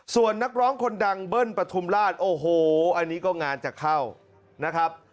ส่วนนักร้องคนดังเบิ้ลปฐุมราชโอ้โหอันนี้ก็งานจะเข้านะครับ